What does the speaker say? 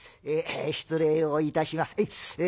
「失礼をいたします。